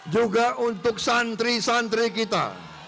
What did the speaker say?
juga untuk santri santri kita